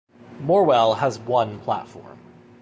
Morwell has one platform.